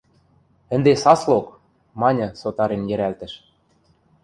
– Ӹнде саслок! – маньы, сотарен йӹрӓлтӹш.